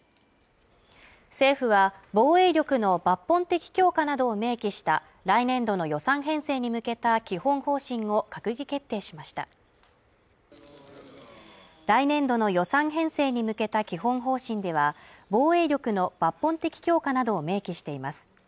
政府は防衛力の抜本的強化などを明記した来年度の予算編成に向けた基本方針を閣議決定しました来年度の予算編成に向けた基本方針では防衛力の抜本的強化などを明記しています